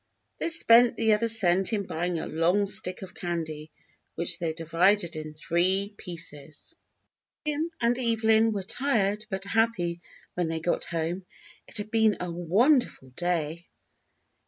They spent the other cent in buying a long stick of candy, which they divided in three pieces. Jim and Evelyn were tired but happy when they got home. It had been a wonderful day.